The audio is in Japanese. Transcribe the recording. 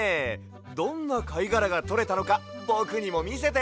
どんなかいがらがとれたのかぼくにもみせて！